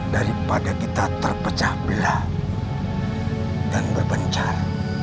daripada kita terpecah belah dan berpencar